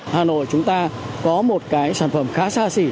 hà nội chúng ta có một cái sản phẩm khá xa xỉ